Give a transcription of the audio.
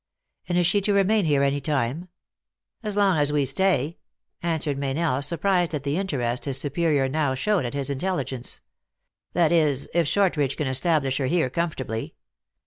".And is she to remain here any time?" " As long as we stay," answered Meynell, surprised at the interest his superior now showed at his intelli gence. " That is, if Shortridge can establish her here comfortably.